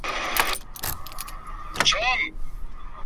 De esta manera se puede decir que la familia es un sistema.